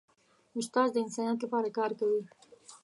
استاد د انسانیت لپاره کار کوي.